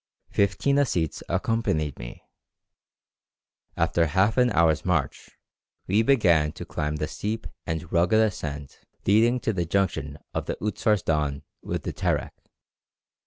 Fifteen Ossetes accompanied me. After half an hour's march, we began to climb the steep and rugged ascent leading to the junction of the Utzfars Don with the Terek.